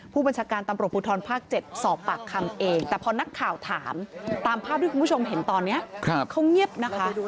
ผู้บัญชาการตำรวจภูทรภาค๗สอบปากคำเองแต่พอนักข่าวถามตามภาพที่คุณผู้ชมเห็นตอนนี้เขาเงียบนะคะ